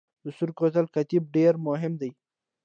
د سور کوتل کتیبه ډیره مهمه ده